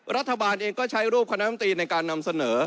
รัฐบาลเองก็ใช้รูปคณะมนตรีในการนำเสนอ